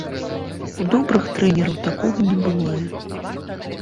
У добрых трэнераў такога не бывае.